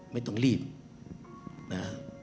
ไม่ต้องรีบนะฮะ